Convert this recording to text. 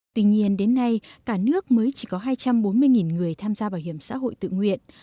tuy nhiên đến nay cả nước mới chỉ có hai trăm bốn mươi người tham gia bảo hiểm xã hội tự nguyện